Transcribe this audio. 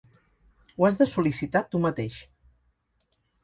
Ho has de sol·licitar tu mateix